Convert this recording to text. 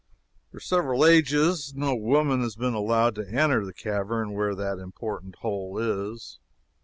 For several ages no woman has been allowed to enter the cavern where that important hole is.